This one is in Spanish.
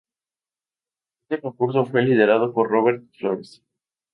Este concurso es liderado por Robert Flores.